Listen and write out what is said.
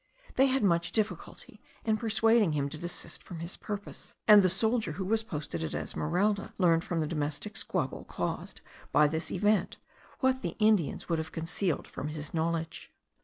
They had much difficulty in persuading him to desist from his purpose; and the soldier who was posted at Esmeralda, learned from the domestic squabble caused by this event, what the Indians would have concealed from his knowledge.